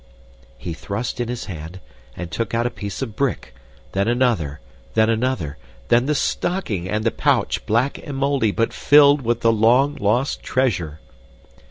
He thrust in his hand and took out a piece of brick, then another, then another, then the stocking and the pouch, black and moldy, but filled with the long lost treasure!